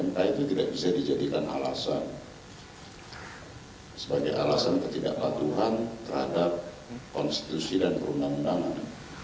mk itu tidak bisa dijadikan alasan sebagai alasan ketidakpatuhan terhadap konstitusi dan perundang undangan